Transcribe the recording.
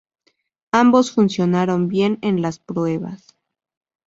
Ambos funcionaron bien en las pruebas.